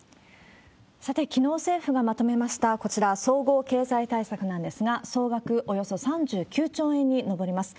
さて、きのう政府がまとめました、こちら、総合経済対策なんですが、総額およそ３９兆円に上ります。